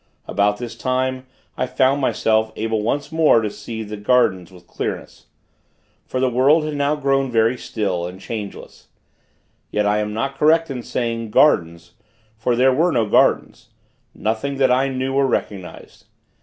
About this time, I found myself, able once more, to see the gardens, with clearness. For the world had now grown very still, and changeless. Yet, I am not correct in saying, 'gardens'; for there were no gardens nothing that I knew or recognized.